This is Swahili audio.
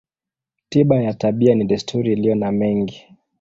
Tiba ya tabia ni desturi iliyo na mengi.